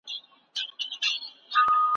هغه نجلۍ چې پرون دلته وه، نن بېرته راغله.